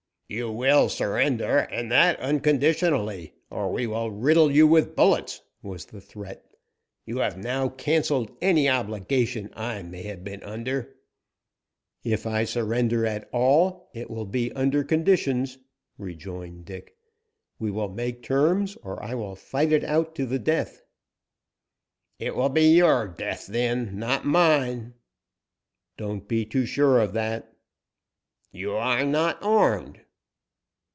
"You will surrender, and that unconditionally, or we will riddle you with bullets!" was the threat. "You have now cancelled any obligation I may have been under." "If I surrender at all, it will be under conditions," rejoined Dick. "We will make terms, or I will fight it out to the death." "It will be to your death, then, not mine." "Don't be too sure of that." "You are not armed."